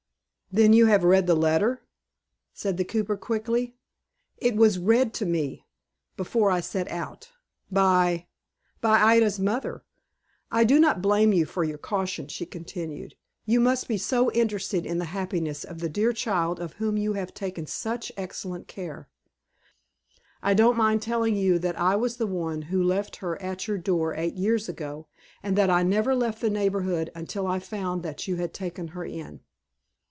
"Then you have read the letter?" said the cooper, quickly. "It was read to me, before I set out." "By " "By Ida's mother. I do not blame you for your caution," she continued. "You must be so interested in the happiness of the dear child of whom you have taken such excelent care, I don't mind telling you that I was the one who left her at your door eight years ago, and that I never left the neighborhood until I found that you had taken her in."